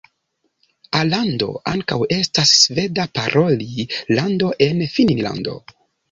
Alando ankaŭ estas Sveda-paroli lando en Finnlando.